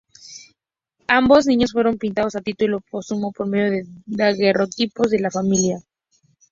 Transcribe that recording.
Ambos niños fueron pintados a título póstumo por medio de daguerrotipos de la familia.